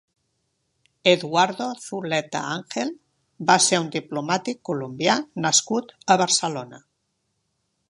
Eduardo Zuleta Angel va ser un diplomàtic colombià nascut a Barcelona.